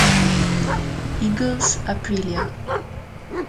Eagles Aprilia.